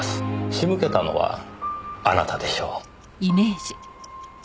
仕向けたのはあなたでしょう。